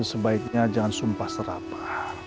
sebaiknya jangan sumpah serapa